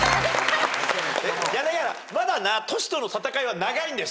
柳原まだなトシとの戦いは長いんだよ